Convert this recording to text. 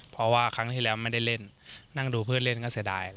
เพราะว่าครั้งที่แล้วไม่ได้เล่นนั่งดูเพื่อนเล่นก็เสียดาย